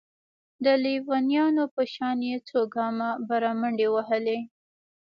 د ليونيانو په شان يې څو ګامه بره منډې وهلې.